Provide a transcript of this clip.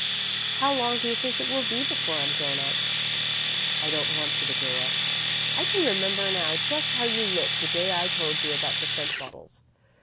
"How long do you think it will be before I'm grown up?" "I don't want you to grow up. I can remember now just how you looked the day I told you about the scent bottles.